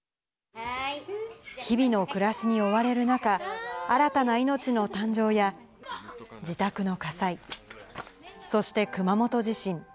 日々の暮らしに追われる中、新たな命の誕生や、自宅の火災、そして熊本地震。